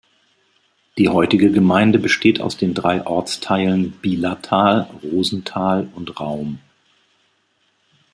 Die heutige Gemeinde besteht aus den drei Ortsteilen Bielatal, Rosenthal und Raum.